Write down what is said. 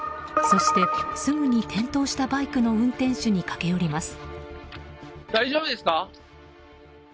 そして、すぐに転倒したバイクの運転手に駆け寄ります。